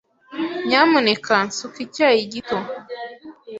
Nyamuneka nsuka icyayi gito.